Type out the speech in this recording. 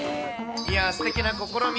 いやー、すてきな試み。